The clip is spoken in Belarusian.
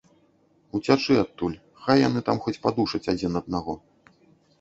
Уцячы адтуль, хай яны там хоць падушаць адзін аднаго.